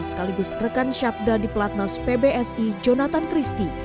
sekaligus rekan syabda di pelatnas pbsi jonathan christie